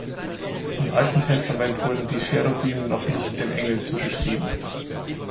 Im Alten Testament wurden die Cherubim noch nicht den Engeln zugeschrieben.